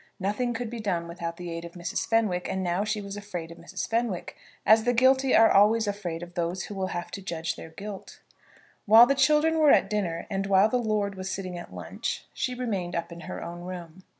Nothing could be done without the aid of Mrs. Fenwick; and now she was afraid of Mrs. Fenwick, as the guilty are always afraid of those who will have to judge their guilt. While the children were at dinner, and while the lord was sitting at lunch, she remained up in her own room.